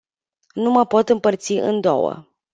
Nu mă pot împărți în două.